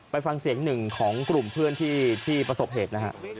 ไปฟังเสียงหนึ่งของกลุ่มเพื่อนที่ประสบเหตุนะฮะ